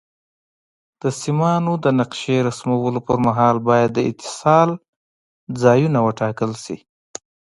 د سیمانو د نقشې رسمولو پر مهال باید د اتصال ځایونه وټاکل شي.